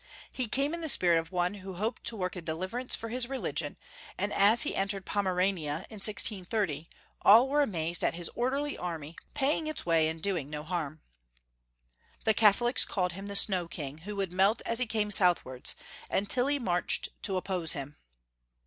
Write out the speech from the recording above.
He came in the spirit of one who hoped to work a deliverance for liis religion, and as he entered Pomerania in 1630, all were amazed at his orderly army, paying its way and doing no harm. The Catholics called him the Snow king, who would melt as he came southwards, and Tilly marched to oppose him.